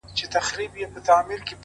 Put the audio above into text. پوهه د محدودیتونو پولې نړوي.!